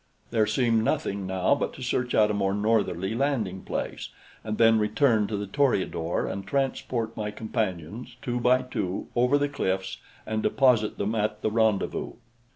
There seemed nothing now but to search out a more northerly landing place and then return to the Toreador and transport my companions, two by two, over the cliffs and deposit them at the rendezvous.